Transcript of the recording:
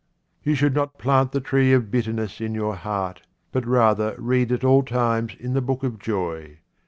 You should not plant the tree of bitterness in your heart, but rather read at all times in the book of joy.